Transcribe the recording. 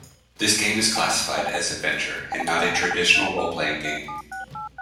This game is classified as Adventure, and not a traditional Role-playing game.